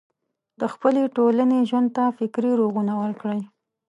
د خپلې ټولنې ژوند ته فکري روغونه ورکړي.